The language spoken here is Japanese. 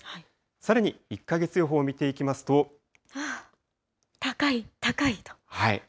さらに１か月予報を見ていきます高い、高いと。